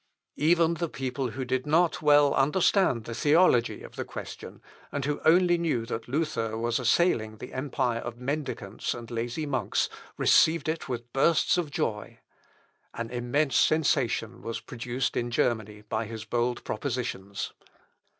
" Even the people who did not well understand the theology of the question, and who only knew that Luther was assailing the empire of mendicants and lazy monks, received it with bursts of joy. An immense sensation was produced in Germany by his bold propositions.